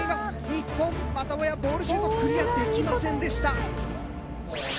日本またもやボールシュートクリアできませんでした。